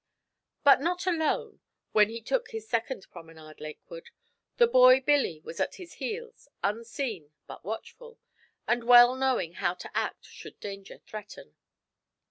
But not alone, when he took his second promenade lake ward. The boy Billy was at his heels unseen but watchful, and well knowing how to act should danger threaten.